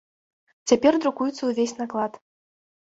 Цяпер друкуецца ўвесь наклад.